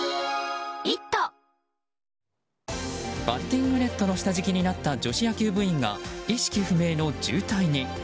バッティングネットの下敷きになった女子野球部員が意識不明の重体に。